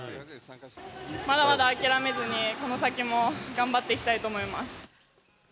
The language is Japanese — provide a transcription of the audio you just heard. まだまだ諦めずに、この先も頑張っていきたいと思います。